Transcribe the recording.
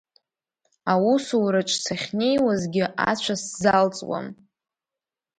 Аусураҿ сахьнеиуагьы ацәа сзалҵуам.